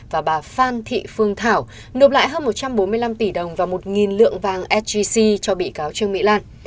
và bà phan thị phương thảo nộp lại hơn một trăm bốn mươi năm tỷ đồng và một lượng vàng sgc cho bị cáo trương mỹ lan